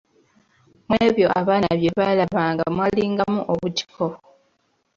Mu ebyo abaana bye baalabanga, mwalingamu obutiko.